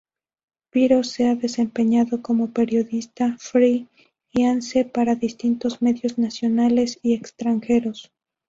Piro se ha desempeñado como periodista "free-lance" para distintos medios nacionales y extranjeros.